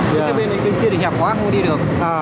cái bên kia thì hẹp quá không đi được